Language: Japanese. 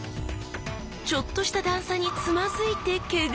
ちょっとした段差につまずいてケガ！